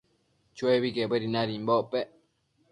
Chuebi quebuedi nadimbocpec